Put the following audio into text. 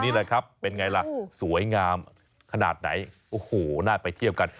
นี่แหละครับเป็นไงล่ะสวยงามขนาดไหนโอ้โหน่าไปเที่ยวกัน